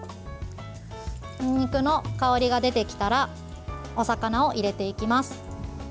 にんにくの香りが出てきたらお魚を入れていきます。